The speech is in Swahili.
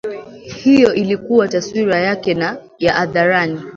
Hiyo ilikuwa taswira yake ya hadharani